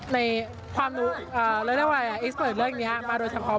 ในความรู้เลือดว่าเอ็กเบิร์ตเรื่องนี้มาโดยเฉพาะ